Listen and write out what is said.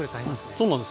そうなんですよ。